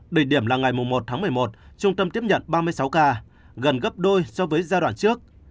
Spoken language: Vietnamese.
đỉnh điểm là ngày một tháng một mươi một trung tâm tiếp nhận ba mươi sáu ca gần gấp đôi so với giai đoạn trước